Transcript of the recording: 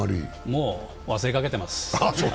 もう忘れかけてます。